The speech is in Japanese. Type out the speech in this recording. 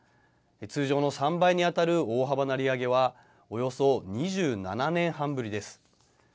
通常の３倍に当たる大幅な利上げは、およそ２７年半ぶりです。